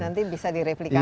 nanti bisa direplikasi kan